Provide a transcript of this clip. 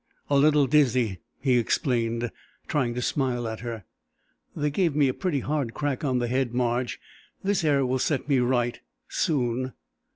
"A little dizzy," he explained, trying to smile at her. "They gave me a pretty hard crack on the head, Marge. This air will set me right soon."